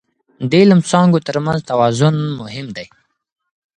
د علم څانګو ترمنځ توازن مهم دی.